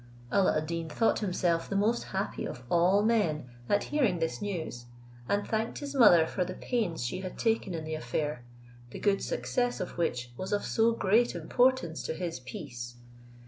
Alla ad Deen thought himself the most happy of all men at hearing this news, and thanked his mother for the pains she had taken in the affair, the good success of which was of so great importance to his peace.